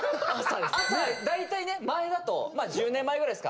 朝大体ね前だと１０年前ぐらいですか。